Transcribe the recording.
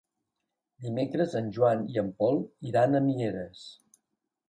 Dimecres en Joan i en Pol iran a Mieres.